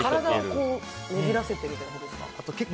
体をねじらせてみたいなことですか。